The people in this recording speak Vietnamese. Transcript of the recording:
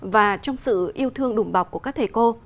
và trong sự yêu thương đùm bọc của các thầy cô